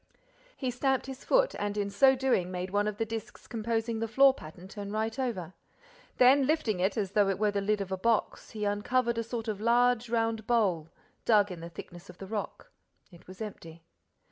He stamped his foot, and, in so doing, made one of the discs composing the floor pattern turn right over. Then, lifting it as though it were the lid of a box, he uncovered a sort of large round bowl, dug in the thickness of the rock. It was empty.